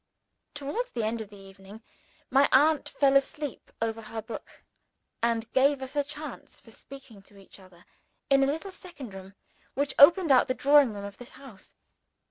Towards the end of the evening, my aunt fell asleep over her book, and gave us a chance of speaking to each other in a little second room which opens out of the drawing room in this house.